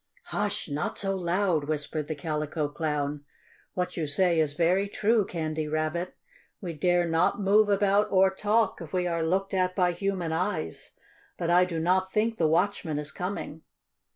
"Hush! Not so loud!" whispered the Calico Clown. "What you say is very true, Candy Rabbit. We dare not move about or talk if we are looked at by human eyes. But I do not think the watchman is coming."